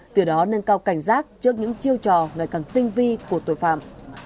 từ đó nâng cao cảnh giác trước những chiêu trò ngày càng tinh vi của tội phạm